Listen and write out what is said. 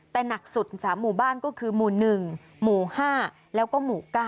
แต่หนักสุด๓หมู่บ้านก็คือหมู่๑หมู่๕แล้วก็หมู่๙